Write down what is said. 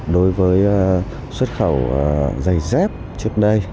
đối với xuất khẩu giày dép trước đây